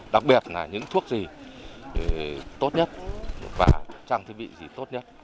đặc biệt là những thuốc gì tốt nhất và trang thiết bị gì tốt nhất